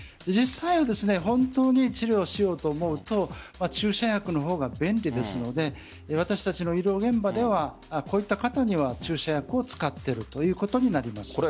実際は本当に治療しようと思うと注射薬の方が便利ですので私たちの医療現場ではこういった方には注射薬を使っているということになります。